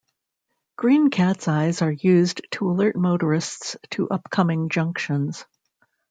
Green cat's eyes are used to alert motorists to upcoming junctions.